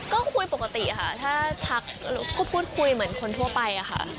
ก็คุยปกติค่ะถ้าทักก็พูดคุยเหมือนคนทั่วไปค่ะ